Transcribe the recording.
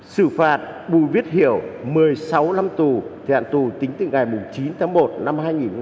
sử phạt bùi viết hiểu một mươi sáu năm tù thẻ hạn tù tính từ ngày chín tháng một năm hai nghìn hai mươi